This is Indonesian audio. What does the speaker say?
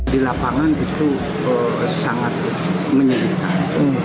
di lapangan itu sangat menyedihkan